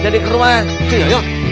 jadi ke rumah cuyoyok